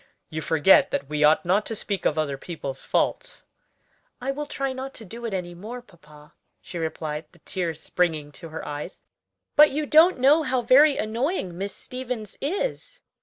"You forget that we ought not to speak of other people's faults." "I will try not to do it any more, papa," she replied, the tears springing to her eyes; "but you don't know how very annoying Miss Stevens is.